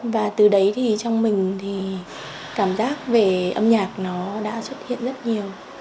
và từ đấy thì trong mình thì cảm giác về âm nhạc nó đã xuất hiện rất nhiều